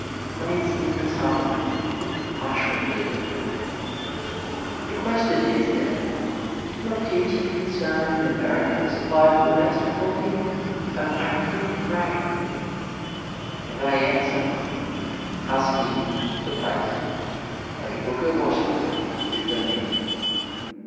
Plants need the sunlight mushrooms are different. The question is, then, what teaching concern in America supplies the best quality of actinic ray? And I answer, Tuskegee is the place, and Booker Washington is the man.